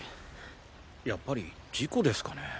やっぱり事故ですかね？